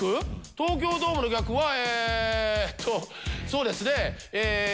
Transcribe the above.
東京ドームの逆はえーっとそうですねええ。